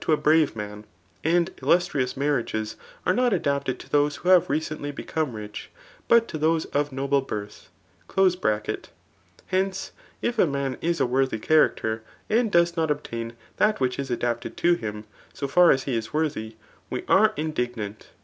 a brave. man^and:iIlu8tnousimarriages are not adapted Co those wbo have recently become rich, but to those of noble birth)— hence, if a man is a worthy character, and does not obtain ' that which is adapted to him [so far as he is worthy,] iwe are indignant.